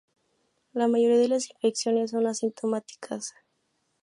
La mayoría de las infecciones son asintomáticas.